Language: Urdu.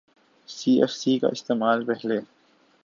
سی ایف سی کا استعمال پہلے